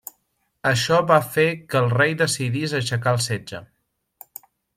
Això va fer que el rei decidís aixecar el setge.